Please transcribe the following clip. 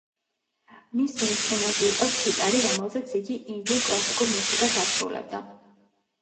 მისი ინსტრუმენტი იყო სიტარი, რომელზეც იგი ინდურ კლასიკურ მუსიკას ასრულებდა.